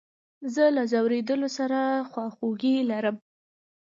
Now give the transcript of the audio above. زه له ځورېدلو سره خواخوږي لرم.